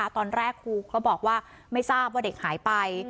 ตอนแรกครูก็บอกว่าไม่ทราบว่าเด็กหายไป